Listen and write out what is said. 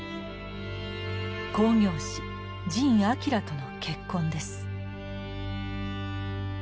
興行師神彰との結婚です。